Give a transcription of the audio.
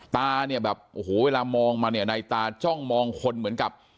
ตาเนี่ยแบบโอ้โหเวลามองมาเนี่ยในตาจ้องมองคนเหมือนกับ